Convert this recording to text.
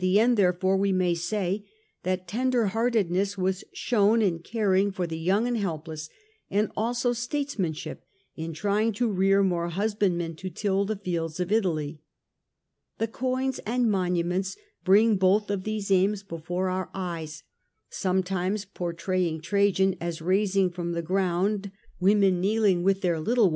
end therefore we may say that tender heartedness was shown in caring for the young and helpless, and also states manship in trying to rear more husbandmen to till the fields of Italy. The coins and monuments bring both of these aims before our eyes, sometimes portraying Trajan as raising from the ground women kneeling with their little 20 The Age of the Antonines, a.